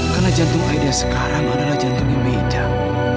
karena jantung aida sekarang adalah jantungnya meidah